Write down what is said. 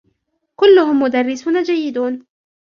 كلهم مدرّسون جيدون.